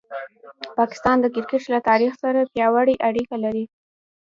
پاکستان د کرکټ له تاریخ سره پیاوړې اړیکه لري.